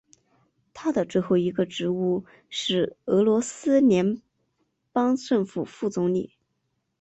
他的最后一个职位是俄罗斯联邦政府副总理。